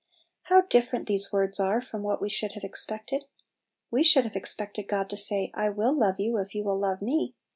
How different these words are from what we should have expected! We should have expected God to say, "I will love you, if you will love me."